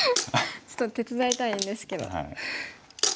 ちょっと手伝いたいんですけど。